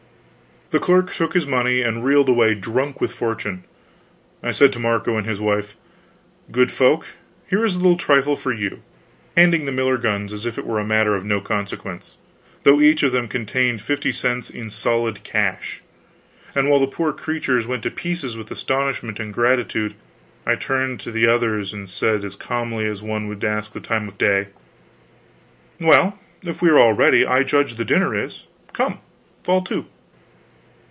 The clerk took his money and reeled away drunk with fortune. I said to Marco and his wife: "Good folk, here is a little trifle for you" handing the miller guns as if it were a matter of no consequence, though each of them contained fifteen cents in solid cash; and while the poor creatures went to pieces with astonishment and gratitude, I turned to the others and said as calmly as one would ask the time of day: "Well, if we are all ready, I judge the dinner is. Come, fall to."